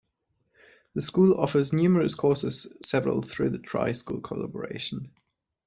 The school offers numerous courses, several through the tri-school collaboration.